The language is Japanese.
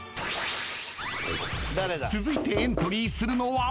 ［続いてエントリーするのは］